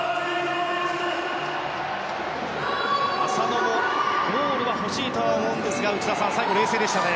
浅野もゴールが欲しいとは思うんですが内田さん、最後冷静でしたね。